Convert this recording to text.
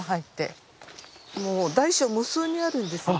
もう大小無数にあるんですね。